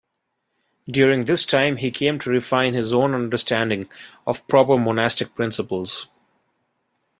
During this time, he came to refine his own understanding of proper monastic principles.